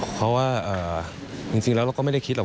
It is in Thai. เพราะว่าจริงแล้วเราก็ไม่ได้คิดหรอก